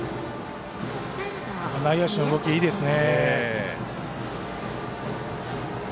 内野手の動きいいですね。